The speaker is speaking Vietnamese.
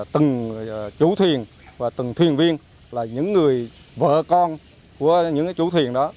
từng chủ thuyền và từng thuyền viên là những người vợ con của những chủ thuyền đó